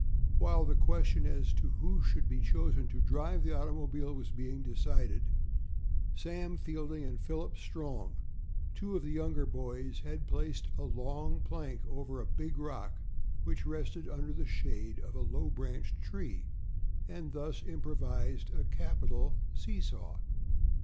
While the question as to who should be chosen to drive the automobile was being decided, Sam Fielding and Philip Strong, two of the younger boys, had placed a long plank over a big rock which rested under the shade of a low branched tree, and thus improvised a capital see saw.